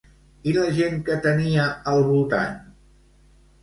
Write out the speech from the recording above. I la gent que tenia al voltant?